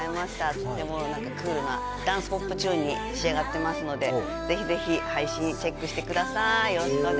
とてもクールなダンスポップチューンに仕上がっていますので、ぜひぜひ、配信、チェックしてください。